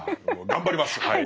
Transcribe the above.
頑張りますはい。